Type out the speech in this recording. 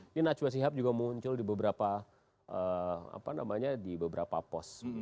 ini nachwa sihab juga muncul di beberapa apa namanya di beberapa pos